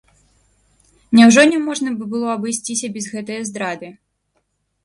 Няўжо няможна б было абысціся без гэтае здрады?